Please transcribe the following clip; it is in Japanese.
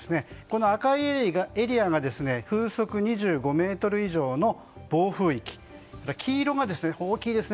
この赤いエリアが風速２５メートル以上の暴風域です。